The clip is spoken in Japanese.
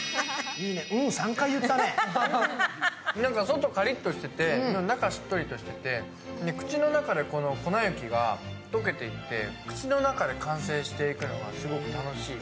外カリッとしてて、中はしっとりしてて、口の中で粉雪がとけていって、口の中で完成していくのがすごく楽しい。